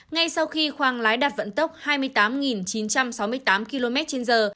ngay sau khi khoang lái đặt vận tốc hai mươi tám chín trăm sáu mươi tám km trên giờ